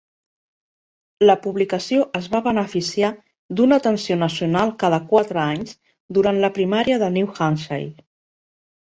La publicació es va beneficiar d'una atenció nacional cada quatre anys durant la primària de New Hampshire.